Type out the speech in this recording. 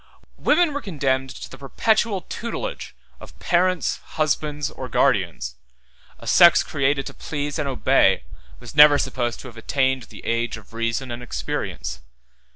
Women were condemned to the perpetual tutelage of parents, husbands, or guardians; a sex created to please and obey was never supposed to have attained the age of reason and experience.